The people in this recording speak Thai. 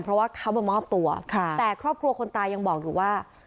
เพราะว่าเขามามอบตัวแต่ครอบครัวคนตายยังบอกอยู่ว่า